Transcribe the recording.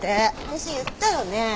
私言ったよね？